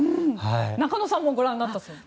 中野さんもご覧になったそうで。